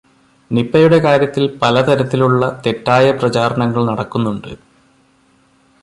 നിപയുടെ കാര്യത്തില് പലതരത്തിലുള്ള തെറ്റായ പ്രചാരണങ്ങള് നടക്കുന്നുണ്ട്.